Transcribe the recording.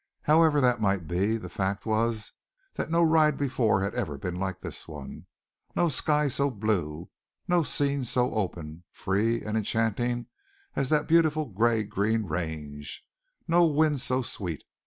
However that might be, the fact was that no ride before had ever been like this one no sky so blue, no scene so open, free, and enchanting as that beautiful gray green range, no wind so sweet.